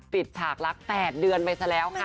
ฉากรัก๘เดือนไปซะแล้วค่ะ